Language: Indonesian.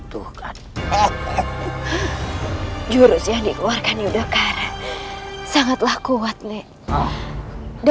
bukankah istana tidak boleh kosong